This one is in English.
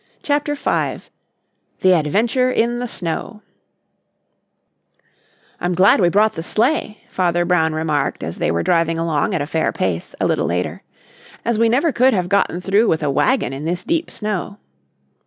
CHAPTER V THE ADVENTURE IN THE SNOW "I'm glad we brought the sleigh," Father Brown remarked, as they were driving along at a fair pace, a little later, "as we never could have gotten through with a wagon in this deep snow."